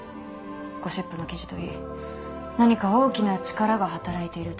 ゴシップの記事といい何か大きな力が働いていると。